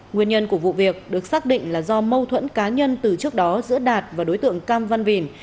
nguyên nhân của vụ việc được xác định là do mâu thuẫn cá nhân từ trước đó giữa đạt và đối tượng cam văn vìn